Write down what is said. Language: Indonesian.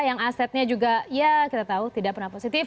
yang asetnya juga ya kita tahu tidak pernah positif